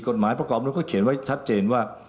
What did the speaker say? กฎหมายประกอบมันก็เขียนไว้ชัดเจนว่า